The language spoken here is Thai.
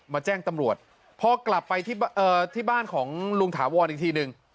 แจ้งตำรวจพอกลับไปที่บ้านของลุงถาวรอีกทีหนึ่ง